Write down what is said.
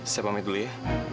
saya pamit dulu ya